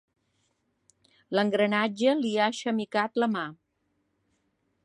L'engranatge li ha xemicat la mà.